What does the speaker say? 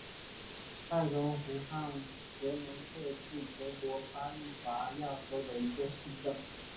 泰根湖畔格蒙特是德国巴伐利亚州的一个市镇。